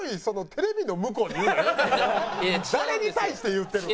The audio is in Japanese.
誰に対して言ってるん？